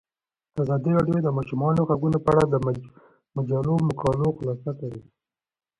ازادي راډیو د د ماشومانو حقونه په اړه د مجلو مقالو خلاصه کړې.